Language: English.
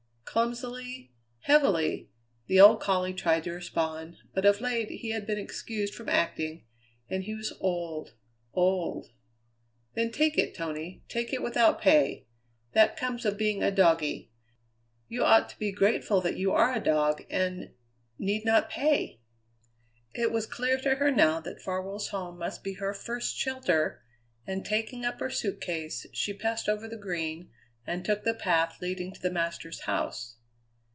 Clumsily, heavily, the old collie tried to respond, but of late he had been excused from acting; and he was old, old. "Then take it, Tony, take it without pay. That comes of being a doggie. You ought to be grateful that you are a dog, and need not pay!" It was clear to her now that Farwell's home must be her first shelter, and taking up her suit case she passed over the Green and took the path leading to the master's house.